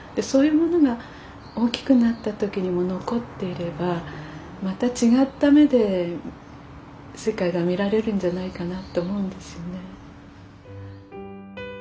そういうものが大きくなった時にも残っていればまた違った目で世界が見られるんじゃないかなと思うんですよね。